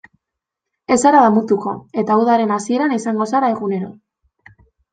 Ez zara damutuko, eta udaren hasieran izango zara egunero.